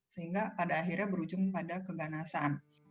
sehingga pada akhirnya berujung pada keganasan